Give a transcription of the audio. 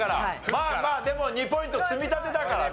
まあまあでも２ポイント積み立てだからね。